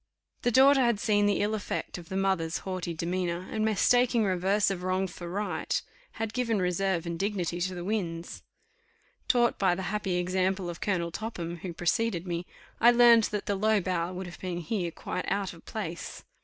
The daughter had seen the ill effect of the mother's haughty demeanour, and, mistaking reverse of wrong for right, had given reserve and dignity to the winds. Taught by the happy example of Colonel Topham, who preceded me, I learned that the low bow would have been here quite out of place.